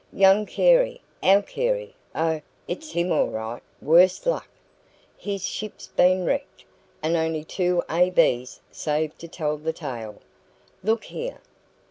"Young Carey our Carey; oh, it's him all right, worse luck! His ship's been wrecked, and only two A.B.s saved to tell the tale. Look here."